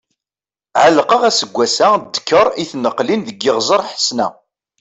Ɛelqeɣ aseggas-a dekkeṛ i tneqlin deg Iɣzeṛ Ḥesna.